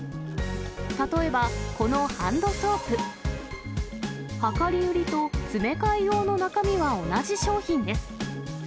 例えば、このハンドソープ、量り売りと詰め替え用の中身は同じ商品です。